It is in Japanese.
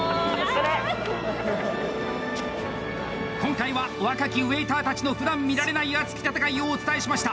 今回は、若きウェイター達のふだん見られない熱き戦いをお伝えしました！